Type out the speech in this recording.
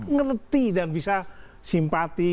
ngerti dan bisa simpati